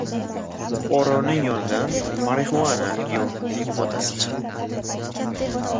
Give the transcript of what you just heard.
Fuqaroning yonidan «marixuana» giyohvandlik moddasi chiqdi